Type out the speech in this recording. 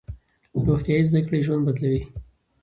روغتیايي زده کړې ژوند بدلوي.